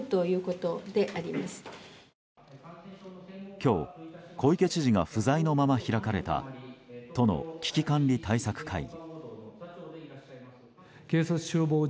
今日、小池知事が不在のまま開かれた都の危機管理対策会議。